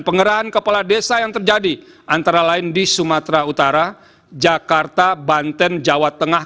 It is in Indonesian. pengerahan kepala desa yang terjadi antara lain di sumatera utara jakarta banten jawa tengah